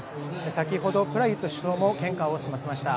先ほど、プラユット首相も献花を済ませました。